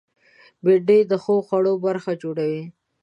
بېنډۍ د ښو خوړو برخه جوړوي